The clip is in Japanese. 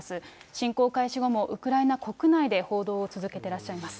侵攻開始後もウクライナ国内で報道を続けてらっしゃいます。